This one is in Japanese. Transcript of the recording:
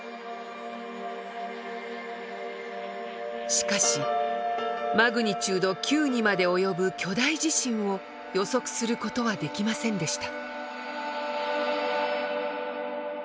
しかしマグニチュード９にまで及ぶ巨大地震を予測する事はできませんでした。